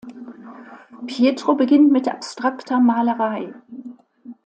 Pietro beginnt mit abstrakter Malerei.